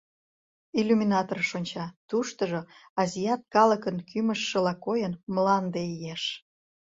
Иллюминаторыш онча, туштыжо, азиат калыкын кӱмыжшыла койын, Мланде иеш.